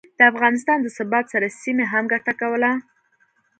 د افغانستان د ثبات سره، سیمې هم ګټه کوله